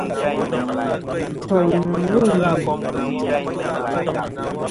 Ntòyn nɨ̀n lûm wì.